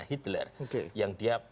hitler yang dia